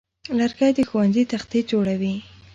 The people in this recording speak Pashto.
لرګی د ښوونځي تختې جوړوي.